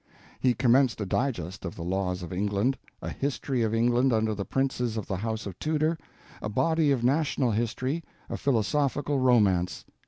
He commenced a digest of the laws of England, a History of England under the Princes of the House of Tudor, a body of National History, a Philosophical Romance.